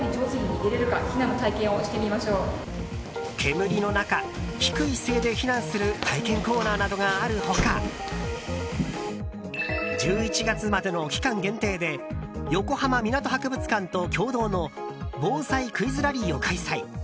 煙の中、低い姿勢で避難する体験コーナーなどがある他１１月までの期間限定で横浜みなと博物館と共同の防災クイズラリーを開催。